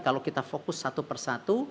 kalau kita fokus satu persatu